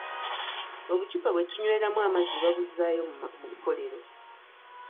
Obucupa bwe tunyweramu amazzi babuzzayo mu kolero.